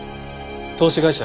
投資会社